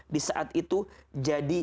di saat itu jadi